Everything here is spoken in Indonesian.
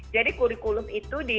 jadi kurikulum itu